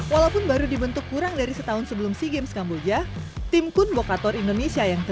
walaupun baru dibentuk kurang dari setahun sebelum si games kamboja tim kumbhokator indonesia yang